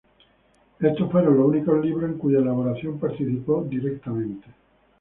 Estos fueron los únicos libros en cuya elaboración participó directamente.